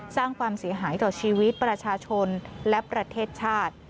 สร้างความเสียหายต่อชีวิตประชาชนและประเทศชาติ